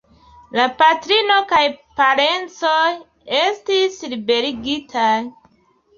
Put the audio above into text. La patrino kaj parencoj estis liberigitaj.